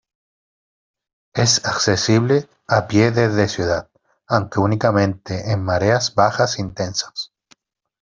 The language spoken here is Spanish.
Es accesible a pie desde la ciudad, aunque únicamente en mareas bajas intensas.